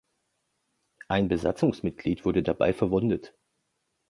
Ein Besatzungsmitglied wurde dabei verwundet.